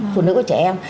phụ nữ và trẻ em